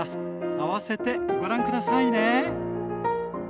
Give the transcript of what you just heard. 併せてご覧下さいね。